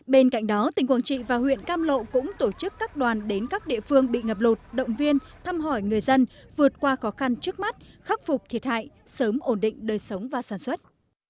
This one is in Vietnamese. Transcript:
bên cạnh đó tỉnh quảng trị và huyện cam lộ cũng tổ chức các đoàn đến các địa phương bị ngập lụt động viên thăm hỏi người dân vượt qua khó khăn trước mắt khắc phục thiệt hại sớm ổn định đời sống và sản xuất